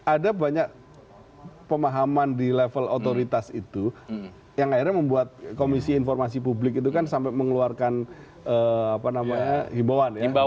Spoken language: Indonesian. ada banyak pemahaman di level otoritas itu yang akhirnya membuat komisi informasi publik itu kan sampai mengeluarkan himbauan ya